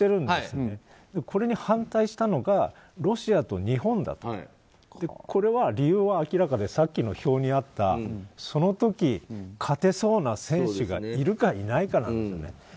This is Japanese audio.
でも、これに反対したのがロシアと日本だった。これは理由は明らかでさっきの表にあったその時勝てそうな選手がいるかいないかなんですよね。